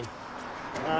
ああ。